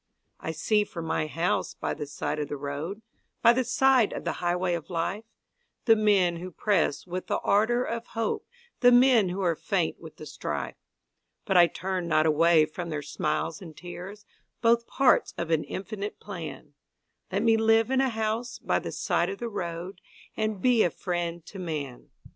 I see from my house by the side of the road By the side of the highway of life, The men who press with the ardor of hope, The men who are faint with the strife, But I turn not away from their smiles and tears, Both parts of an infinite plan Let me live in a house by the side of the road And be a friend to man.